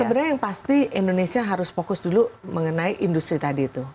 sebenarnya yang pasti indonesia harus fokus dulu mengenai industri tadi itu